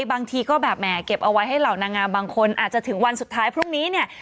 บางทีก็แบบแหมเก็บเอาไว้ให้เหล่านางงามบางคนอาจจะถึงวันสุดท้ายพรุ่งนี้เนี่ย